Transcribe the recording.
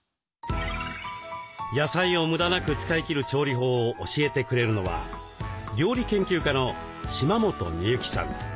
野菜を無駄なく使い切る調理法を教えてくれるのは料理研究家の島本美由紀さん。